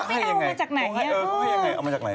ไม่ได้เอามาจากไหนเนี่ยโอ๊ยเอามาจากไหน